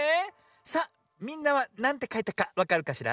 さあみんなはなんてかいたかわかるかしら？